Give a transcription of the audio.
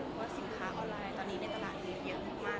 เพราะว่าสินค้าออนไลน์ตอนนี้ในตลาดมีอย่างมากมาก